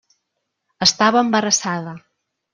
Estava embarassada.